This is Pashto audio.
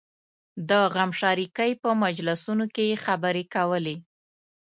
د غمشریکۍ په مجلسونو کې یې خبرې کولې.